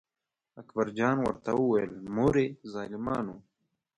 اکبر جان ورته وویل: مورې ظالمانو.